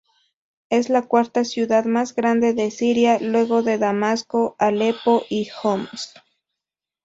Es la cuarta ciudad más grande de Siria luego de Damasco, Alepo y Homs.